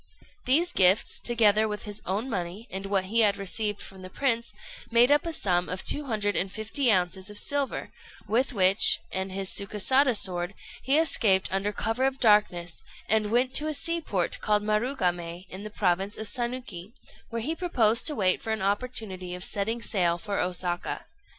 These gifts, together with his own money, and what he had received from the prince, made up a sum of two hundred and fifty ounces of silver, with which and his Sukésada sword he escaped under cover of darkness, and went to a sea port called Marugamé, in the province of Sanuki, where he proposed to wait for an opportunity of setting sail for Osaka.